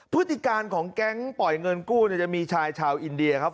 พฤติการของแก๊งปล่อยเงินกู้จะมีชายชาวอินเดียครับ